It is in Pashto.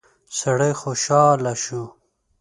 سړی خوشاله شو.